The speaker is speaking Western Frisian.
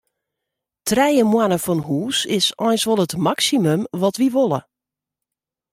Trije moanne fan hûs is eins wol it maksimum wat wy wolle.